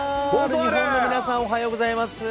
日本の皆さん、おはようございます。